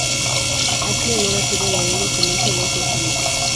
Archie había nacido en la India como hijo de un juez civil.